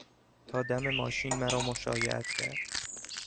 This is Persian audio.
تا دم ماشین مرا مشایعت کرد.